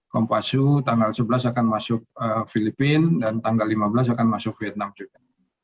kompasu tanggal sebelas akan masuk filipina dan tanggal lima belas akan masuk vietnam juga